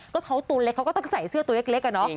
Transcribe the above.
เค้าตัวเล็กเค้าก็ต้องใส่เสื้อตัวเล็กกันเนาะ